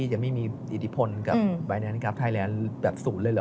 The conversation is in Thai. จะไม่มีอิทธิพลกับใบแนนกราฟไทยแลนด์แบบศูนย์เลยเหรอ